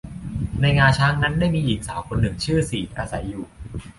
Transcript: ในงาช้างนั้นได้มีหญิงสาวคนหนึ่งชื่อสีดอาศัยอยู่